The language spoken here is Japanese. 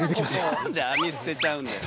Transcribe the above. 何で網捨てちゃうんだよ。